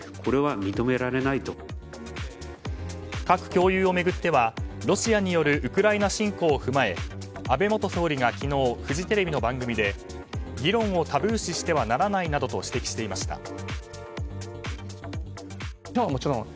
核共有を巡ってはロシアによるウクライナ侵攻を踏まえ安倍元総理が昨日、フジテレビの番組で議論をタブー視してはならないと指摘していました。